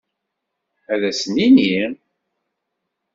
Ad as-nini?